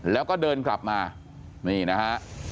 แล้วก็เดินกลับมานี่นะฮะ